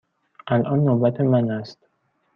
الان نوبت من است.